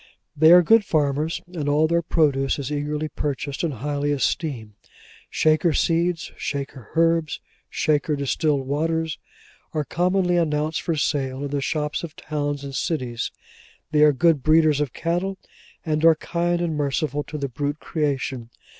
They are good farmers, and all their produce is eagerly purchased and highly esteemed. 'Shaker seeds,' 'Shaker herbs,' and 'Shaker distilled waters,' are commonly announced for sale in the shops of towns and cities. They are good breeders of cattle, and are kind and merciful to the brute creation.